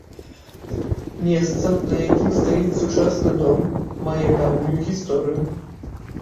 Месца, на якім стаіць сучасны дом, мае даўнюю гісторыю.